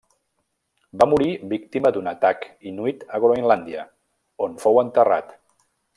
Va morir víctima d'un atac inuit a Groenlàndia, on fou enterrat.